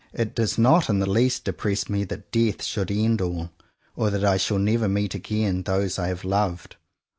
It does not in the least depress me that death should end all, or that I shall never meet again those I have loved.